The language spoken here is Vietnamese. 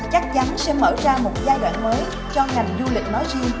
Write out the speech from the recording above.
chắc chắn sẽ mở ra một giai đoạn mới cho ngành du lịch nói riêng